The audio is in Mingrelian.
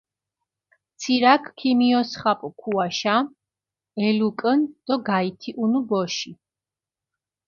ცირაქჷ ქიმიოსხაპუ ქუაშა, ელუკჷნჷ დო გაითიჸუნუ ბოში.